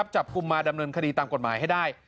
จับกลุ่มมาดำเนินคดีตามกฎหมายให้ได้